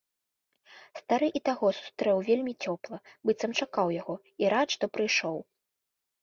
Стары і таго сустрэў вельмі цёпла, быццам чакаў яго, і рад, што прыйшоў.